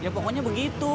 ya pokoknya begitu